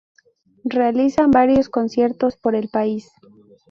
Realizan varios conciertos por el país.